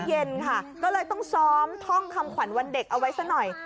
เย็นค่ะก็เลยต้องซ้อมท่องคำขวัญวันเด็กเอาไว้ซะหน่อย